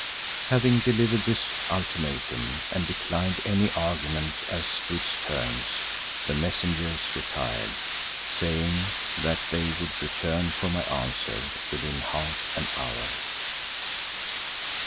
Having delivered this ultimatum and declined any argument as to its terms, the messengers retired, saying that they would return for my answer within half an hour.